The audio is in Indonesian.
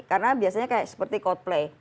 karena biasanya seperti code play